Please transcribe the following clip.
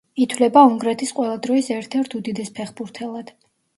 ითვლება უნგრეთის ყველა დროის ერთ-ერთ უდიდეს ფეხბურთელად.